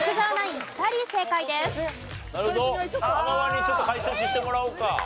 塙にちょっと解説してもらおうか。